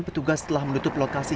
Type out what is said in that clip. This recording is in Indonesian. petugas telah menutup loterai